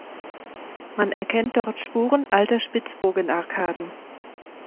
Man erkennt dort Spuren alter Spitzbogenarkaden.